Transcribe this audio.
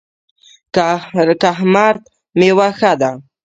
کهمرد میوه ښه ده؟